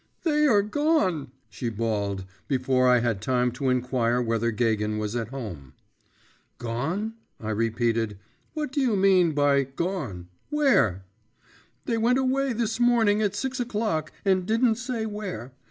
… 'They are gone!' she bawled, before I had time to inquire whether Gagin was at home. 'Gone?…' I repeated. 'What do you mean by gone? Where?' 'They went away this morning at six o'clock, and didn't say where.